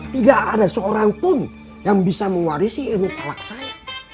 tidak ada seorang pun yang bisa mewarisi ilmu palak saya